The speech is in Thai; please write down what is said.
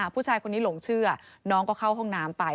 ผู้ชายคนนี้หลงเชื่อน้องก็เข้าห้องน้ำไป